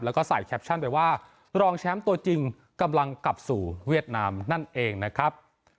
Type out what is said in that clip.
แล้วก็ใส่แคปชั่นไปว่ารองแชมป์ตัวจริงกำลังกลับสู่เวียดนามนั่นเองนะครับ